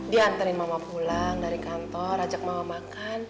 dia anterin mama pulang dari kantor ajak mama makan